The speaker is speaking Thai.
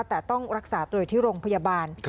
แต่ต้องรักษาตัวอยู่ที่โรงพยาบาล